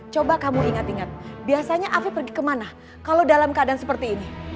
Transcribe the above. coba kamu ingat ingat biasanya afif pergi kemana kalau dalam keadaan seperti ini